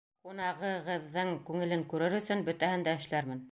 Ҡунағығыҙҙың күңелен күрер өсөн бөтәһен дә эшләрмен.